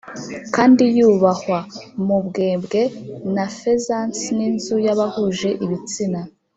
kandi yubahwa mu mbwebwe na pheasants n'inzu y'abahuje ibitsina